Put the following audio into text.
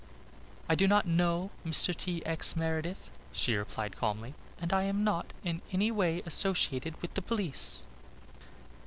"I do not know Mr. T. X. Meredith," she replied calmly, "and I am not in any way associated with the police."